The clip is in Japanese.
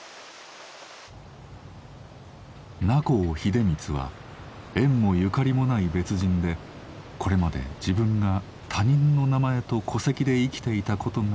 名幸秀光は縁もゆかりもない別人でこれまで自分が他人の名前と戸籍で生きていたことがわかったのです。